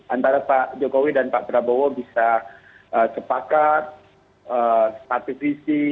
antara pak jokowi dan pak prabowo bisa sepakat statistisi